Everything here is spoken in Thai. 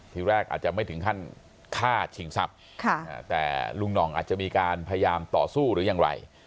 ทีแรกอาจจะไม่ถึงขั้นฆ่าชิงทรัพย์แต่ลุงหน่องอาจจะมีการพยายามต่อสู้หรือยังไร